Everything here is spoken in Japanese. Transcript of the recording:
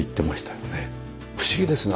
不思議ですね。